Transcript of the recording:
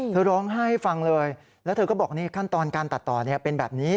ร้องไห้ให้ฟังเลยแล้วเธอก็บอกขั้นตอนการตัดต่อเป็นแบบนี้